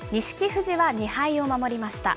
富士は２敗を守りました。